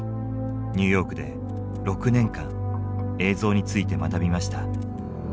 ニューヨークで６年間映像について学びました。